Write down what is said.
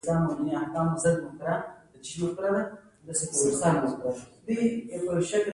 د ځان لپاره وخت پیدا کول د ژوند کیفیت لوړوي.